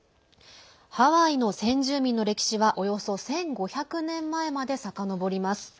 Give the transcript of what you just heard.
ハワイの先住民の歴史はおよそ１５００年前までさかのぼります。